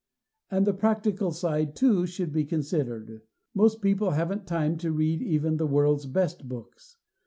And the practical side, too, should be considered. Most people haven't time to read even the world's best books.